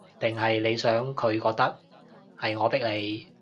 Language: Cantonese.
定係你想佢覺得，係我逼你